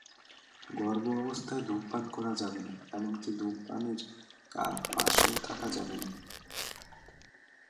গর্ভাবস্থায় ধূমপান করা যাবে না, এমনকি ধূমপায়ীর পাশেও থাকা যাবে না।